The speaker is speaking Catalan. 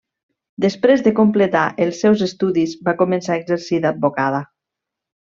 Després de completar els seus estudis, va començar a exercir d'advocada.